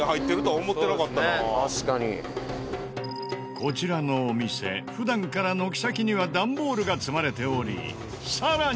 こちらのお店普段から軒先にはダンボールが積まれておりさらに。